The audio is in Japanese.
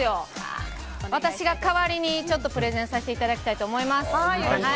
私が代わりにプレゼンさせていただきたいと思います。